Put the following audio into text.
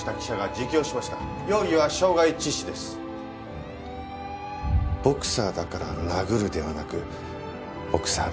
「ボクサーだから殴る」ではなく「ボクサーだから殴らない」。